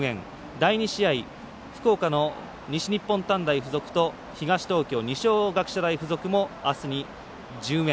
第２試合福岡の西日本短大付属と東東京、二松学舎大付属はあすに順延。